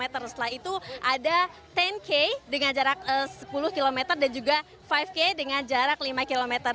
setelah itu ada sepuluh k dengan jarak sepuluh km dan juga lima k dengan jarak lima km